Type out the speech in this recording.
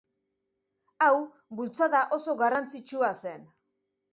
Hau bultzada oso garrantzitsua zen.